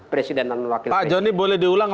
presiden dan wakil presiden pak jonny boleh diulang